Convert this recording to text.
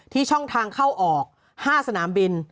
ช่องทางเข้าออก๕สนามบิน